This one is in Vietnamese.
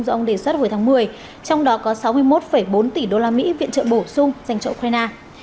do ông đề xuất hồi tháng một mươi trong đó có sáu mươi một bốn tỷ usd viện trợ bổ sung dành cho ukraine